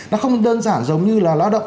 nó không đơn giản giống như là lao động